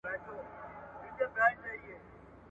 موږ د رسول الله لارښوونې نه هېروو.